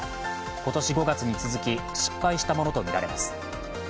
今年５月に続き失敗したものとみられます。